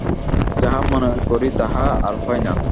যাহা মনে করি তাহা আর হয় না।